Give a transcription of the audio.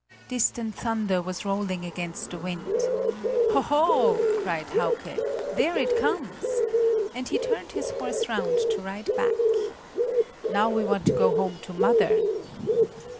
Distant thunder was rolling against the wind. "Hoho!" cried Hauke, "there it comes!" And he turned his horse round to ride back. "Now we want to go home to mother!"